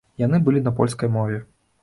Яны былі на польскай мове.